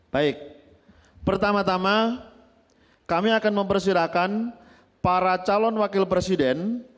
baik pertama tama kami akan mempersilahkan para calon wakil presiden